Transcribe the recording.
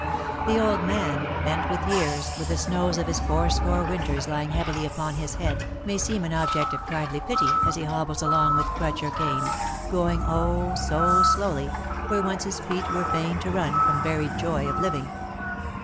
The old man, bent with years, with the snows of his fourscore winters lying heavily upon his head, may seem an object of kindly pity as he hobbles along with crutch or cane, going oh, so slowly, where once his feet were fain to run from very joy of living.